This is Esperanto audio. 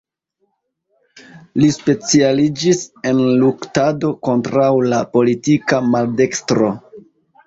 Li specialiĝis en luktado kontraŭ la politika maldekstro.